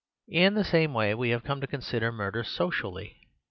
In the same way we have come to consider murder SOCIALLY.